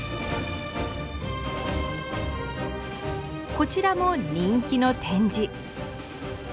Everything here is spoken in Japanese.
こちらも人気の展示。